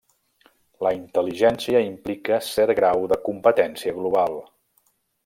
La intel·ligència implica cert grau de competència global.